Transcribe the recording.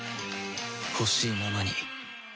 ほしいままに